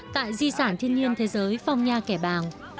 tại di sản thiên nhiên thế giới phong nha kẻ bàng